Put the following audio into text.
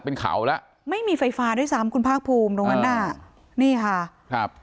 เป็นเขาแล้วไม่มีไฟฟ้าด้วยซ้ำคุณภาคภูมิตรงนั้นน่ะนี่ค่ะครับ